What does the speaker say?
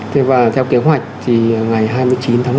thế và theo kế hoạch thì ngày hai mươi chín tháng một